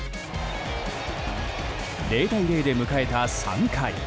０対０で迎えた３回。